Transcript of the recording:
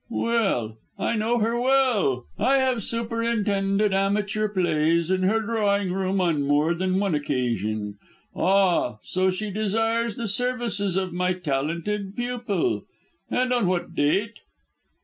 "Well. I know her well. I have superintended amateur plays in her drawing room on more than one occasion. Ah! so she desires the services of my talented pupil? And on what date?"